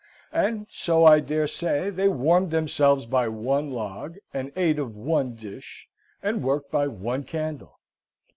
And so, I dare say, they warmed themselves by one log, and ate of one dish, and worked by one candle.